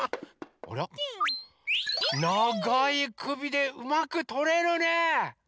あらながいくびでうまくとれるね。